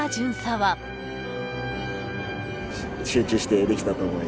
はい！